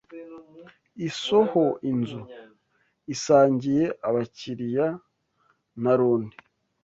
iSoho Inzu - isangiye abakiriya na Roni